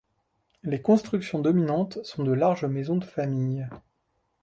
Les constructions dominantes sont de larges maisons de famille.